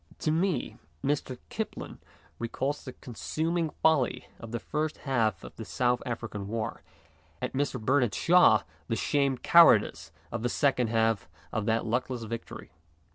To me, Mr. Kipling recalls the consuming folly of the first half of the South African war, and Mr. Bernard Shaw the shamed cowardice of the second half of that luckless victory.